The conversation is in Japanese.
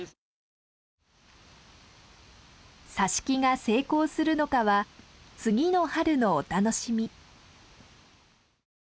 挿し木が成功するのかは次の春のお楽しみ。